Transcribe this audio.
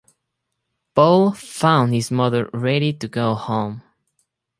Paul found his mother ready to go home.